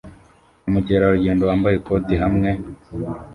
Umukerarugendo wambaye ikoti hamwe